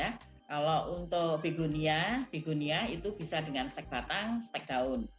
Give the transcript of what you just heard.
kalau untuk pigonia bigunia itu bisa dengan stek batang stek daun